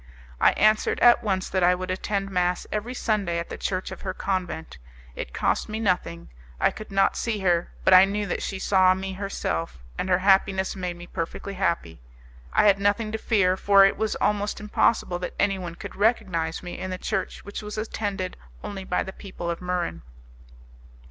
I answered at once that I would attend mass every Sunday at the church of her convent. It cost me nothing: I could not see her, but I knew that she saw me herself, and her happiness made me perfectly happy. I had nothing to fear, for it was almost impossible that anyone could recognize me in the church which was attended only by the people of Muran.